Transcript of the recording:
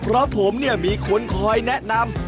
เพราะผมมีคนคอยแนะนำ